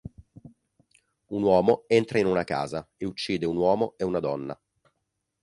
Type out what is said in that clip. Un uomo, entra in una casa e uccide un uomo e una donna.